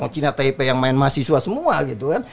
china taipei yang main mahasiswa semua gitu kan